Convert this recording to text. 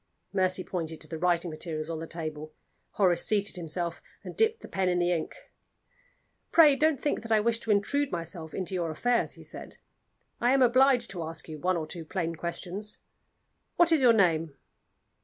Mercy pointed to the writing materials on the table. Horace seated himself, and dipped the pen in the ink. "Pray don't think that I wish to intrude myself into your affairs," he said. "I am obliged to ask you one or two plain questions. What is your name?"